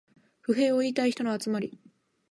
不平を言いたい人の集まり